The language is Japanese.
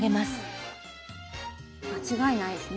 間違いないですね。